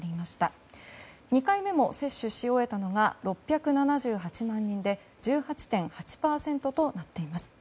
２回目も接種し終えたのが６７８万人で１８．８％となっています。